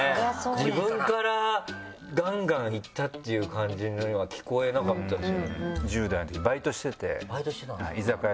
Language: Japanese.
自分からガンガンいったっていう感じには聞こえなかったですよね。